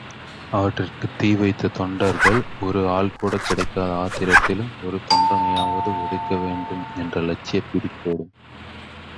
அவற்றிற்கு தீவைத்த தொண்டர்கள், ஒரு ஆள்கூட கிடைக்காத ஆத்திரத்திலும், ஒரு தொண்டனையாவது உதைக்க வேண்டும் என்ற லட்சியப் பிடிப்போடும்.